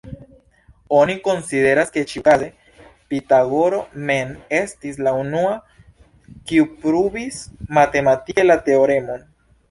Oni konsideras ke ĉiukaze Pitagoro mem estis la unua kiu pruvis matematike la teoremon.